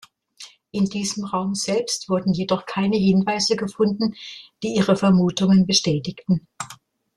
In diesem Raum selbst wurden jedoch keine Hinweise gefunden, die ihre Vermutungen bestätigten.